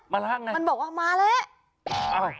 มาละไงมันบอกว่ามาละ